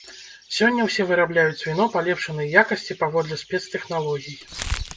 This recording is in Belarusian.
Сёння ўсе вырабляюць віно палепшанай якасці паводле спецтэхналогій.